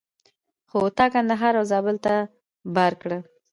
خو تا کندهار او زابل ته بار کړه.